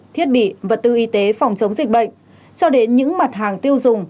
thiết bị vật tư y tế phòng chống dịch bệnh cho đến những mặt hàng tiêu dùng